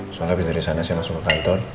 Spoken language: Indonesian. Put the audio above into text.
soalnya habis dari sana saya langsung ke kantor